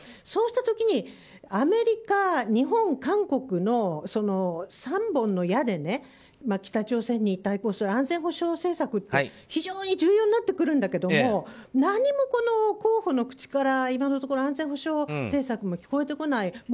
そうした時にアメリカ、日本韓国の３本の矢で北朝鮮に対抗する安全保障政策って非常に重要になってくるんだけども何もこの候補の口からは今のところ安全保障政策は聞こえてこない。